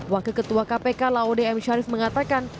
wakil ketua kpk laude m sharif mengatakan